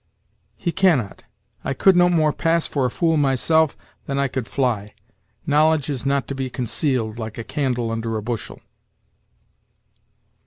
"He cannot. I could no more pass for a fool, myself, than I could fly. Knowledge is not to be concealed, like a candle under a bushel."